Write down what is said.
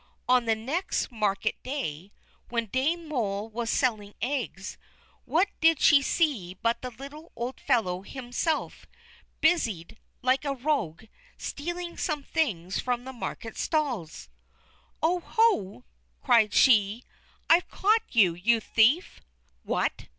On the next market day, when Dame Moll was selling eggs, what did she see but the little old fellow himself busied, like a rogue, stealing some things from the market stalls. "Oh! Ho!" cried she; "I've caught you, you thief!" "What!"